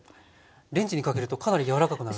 レンジにかけるとかなり柔らかくなるんですね。